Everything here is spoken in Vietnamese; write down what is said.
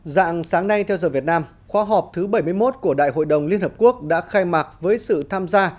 dạng sáng nay theo giờ việt nam khóa họp thứ bảy mươi một của đại hội đồng liên hợp quốc đã khai mạc với sự tham gia